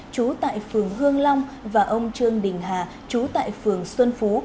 trú tại phường hương long và ông trương đình hà chú tại phường xuân phú